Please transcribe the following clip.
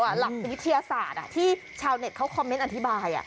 หลักวิทยาศาสตร์ที่ชาวเน็ตเขาคอมเมนต์อธิบาย